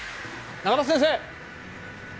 永田先生！